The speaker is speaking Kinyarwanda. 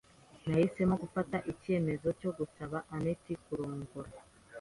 Nahisemo gufata icyemezo cyo gusaba anet kurongora.